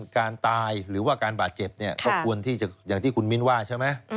การตายหรือว่าการบาดเจ็บเนี่ยก็ควรที่จะอย่างที่คุณมิ้นว่าใช่ไหม